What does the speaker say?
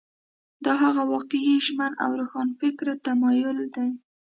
دا هغه واقعي ژمن او روښانفکره تمایل دی.